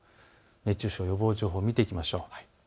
熱中症予防情報を見ていきましょう。